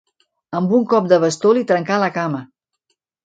Amb un cop de bastó li trencà la cama.